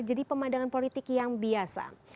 jadi pemandangan politik yang biasa